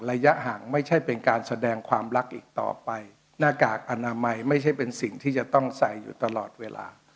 ระยะห่างไม่ใช่เป็นการแสดงความรักอีกต่อไปหน้ากากอนามัยไม่ใช่เป็นสิ่งที่จะต้องใส่อยู่ตลอดเวลา